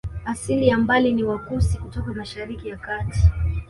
Asili ya mbali ni Wakushi kutoka Mashariki ya Kati